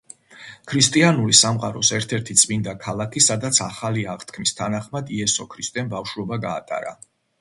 ქრისტიანული სამყაროს ერთ-ერთი წმინდა ქალაქი, სადაც ახალი აღთქმის თანახმად იესო ქრისტემ ბავშვობა გაატარა.